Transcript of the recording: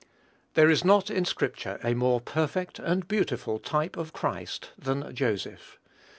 There is not in scripture a more perfect and beautiful type of Christ than Joseph.